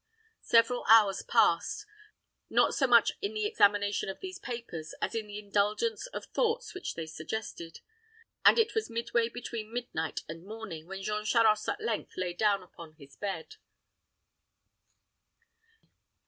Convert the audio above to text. Several hours passed; not so much in the examination of these papers, as in the indulgence of thoughts which they suggested; and it was midway between midnight and morning when Jean Charost at length lay down upon his bed.